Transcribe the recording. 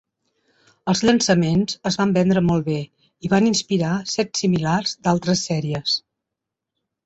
Els llançaments es van vendre molt bé i van inspirar sets similars d'altres sèries.